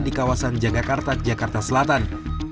di kawasan jagakarta jakarta selatan